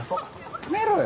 やめろよ。